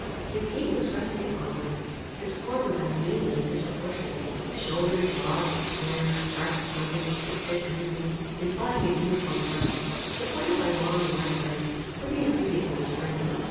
His gait was rustic and aukward. His form was ungainly and disproportioned. Shoulders broad and square, breast sunken, his head drooping, his body of uniform breadth, supported by long and lank legs, were the ingredients of his frame.